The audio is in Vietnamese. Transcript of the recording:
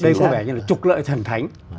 đây có vẻ như là trục lợi thần thánh